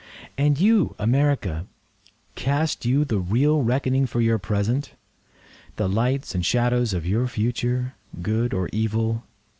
And you, America, Cast you the real reckoning for your present? The lights and shadows of your future—good or evil?